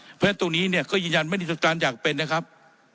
เพราะฉะนั้นตรงนี้เนี่ยก็ยืนยันไม่ได้สตาร์ทอยากเป็นนะครับ